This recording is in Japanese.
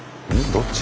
どっち？